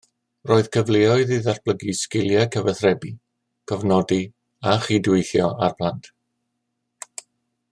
Roedd cyfleoedd i ddatblygu sgiliau cyfathrebu, cofnodi a chydweithio â'r plant